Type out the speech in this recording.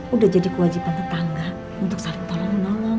udah jadi kewajiban tetangga untuk saling tolong menolong